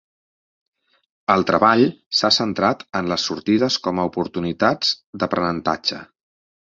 El treball s'ha centrat en les sortides com a oportunitats d'aprenentatge.